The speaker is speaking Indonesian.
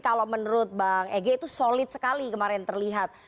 kalau menurut bang egy itu solid sekali kemarin terlihat